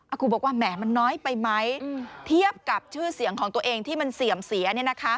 ครูบอกว่าแหมมันน้อยไปไหมเทียบกับชื่อเสียงของตัวเองที่มันเสื่อมเสีย